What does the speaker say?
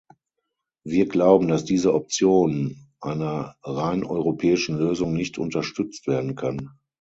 Wir glauben, dass diese Option einer rein europäischen Lösung nicht unterstützt werden kann.